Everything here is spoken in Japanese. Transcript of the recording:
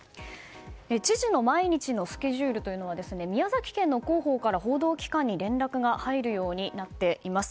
知事の毎日のスケジュールは宮崎県の広報から報道機関に連絡が入るようになっています。